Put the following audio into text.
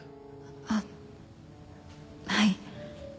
あっはい。